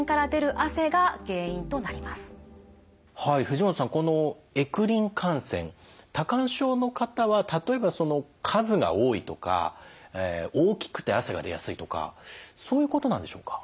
藤本さんこのエクリン汗腺多汗症の方は例えば数が多いとか大きくて汗が出やすいとかそういうことなんでしょうか？